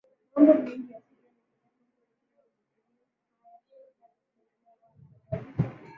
mambo mengi ya kujua na kujifunza Uzuri wa maeneo haya ukitaka kutembelea wala hata